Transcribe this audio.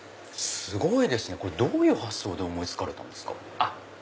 すごいですねどういう発想で思い付かれたんですか？